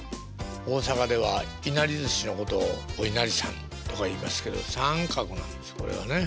大阪ではいなりずしのことをおいなりさんとかいいますけど三角なんですこれがね。